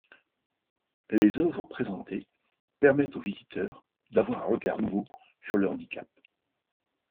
Les œuvres présentées permettent aux visiteurs d'avoir un regard nouveau sur le handicap.